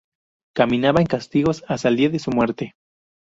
Caminaba en castigos hasta el día de su muerte.